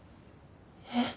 えっ？